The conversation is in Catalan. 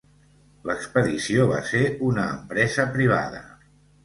L'expedició va ser una empresa privada.